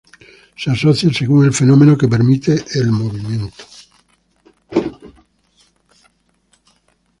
Se asocia según el fenómeno que permite el movimiento.